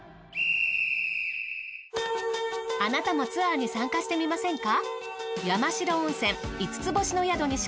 あなたもツアーに参加してみませんか？